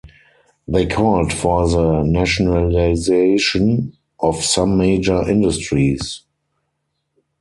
They called for the nationalisation of some major industries.